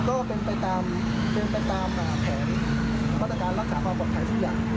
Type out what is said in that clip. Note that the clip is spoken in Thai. ก็เป็นไปตามเป็นไปตามแผนมาตรการรักษาความปลอดภัยทุกอย่าง